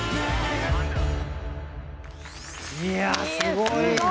いやすごいね。